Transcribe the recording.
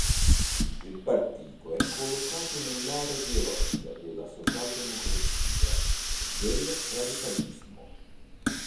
Il partito è collocato nell'area ideologica della socialdemocrazia e del radicalismo.